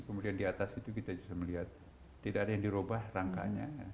kemudian di atas itu kita bisa melihat tidak ada yang dirubah rangkanya